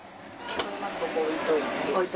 ここ置いといて。